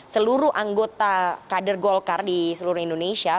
seluruh anggota kader golkar di seluruh indonesia